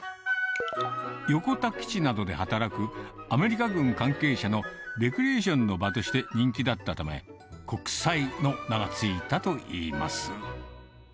横田基地などで働くアメリカ軍関係者のレクリエーションの場として人気だったため、国際の名が付いたといいます。